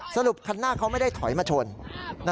คันหน้าเขาไม่ได้ถอยมาชน